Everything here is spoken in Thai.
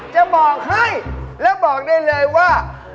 จะบอกให้แล้วบอกได้เลยว่า